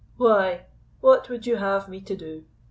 "Why, what would you have me to do?